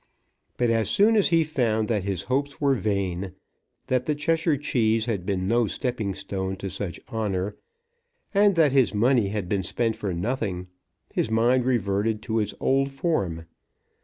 But as soon as he found that his hopes were vain, that the Cheshire Cheese had been no stepping stone to such honour, and that his money had been spent for nothing, his mind reverted to its old form.